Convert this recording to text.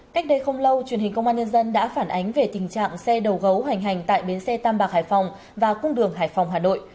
cách đây không lâu truyền hình công an nhân dân đã phản ánh về tình trạng xe đầu gấu hành tại bến xe tam bạc hải phòng và cung đường hải phòng hà nội